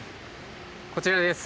こちらです。